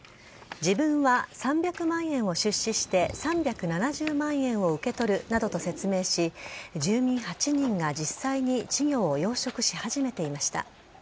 自分は３００万円を出資して３７０万円を受け取るなどと説明し住民８人が実際に稚魚を養殖し始めていました。